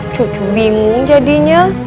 cucu bingung jadinya